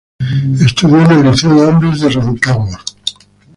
Estudió en el Liceo de Hombres de Rancagua.